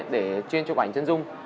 để chuyên chụp ảnh chân dung